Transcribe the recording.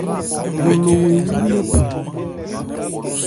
Wo lo wo ewú lephan.